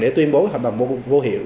để tuyên bố hợp đồng vô hiệu